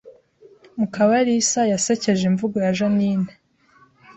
Mukabarisa yasekeje imvugo ya Jeaninne